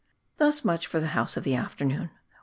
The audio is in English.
Thus much for the House of the Afternoon.